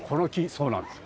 そうなんです。